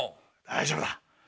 大丈夫だ！